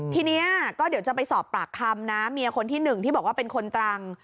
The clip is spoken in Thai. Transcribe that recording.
ทีนี้ก็เดี๋ยวจะไปสอบปากคำนะเมียคนที่หนึ่งที่บอกว่าเป็นคนตรัง